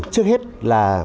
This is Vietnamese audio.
trước hết là